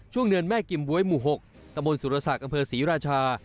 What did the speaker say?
เนินแม่กิมบ๊วยหมู่๖ตะบนสุรศักดิ์อำเภอศรีราชา